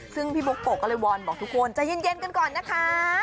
ซึ่งพี่บุ๊กโกะก็เลยวอนบอกทุกคนใจเย็นกันก่อนนะคะ